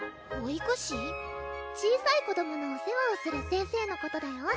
小さい子どものお世話をする先生のことだよ